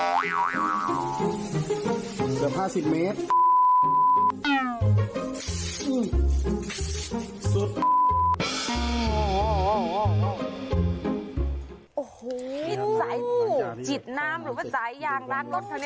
โอ้โฮจิตน้ำหรือว่าจายางรักเท่านี้